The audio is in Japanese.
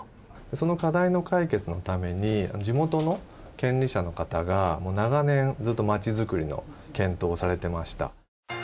その課題の解決のために地元の権利者の方が長年ずっと街づくりの検討をされてました。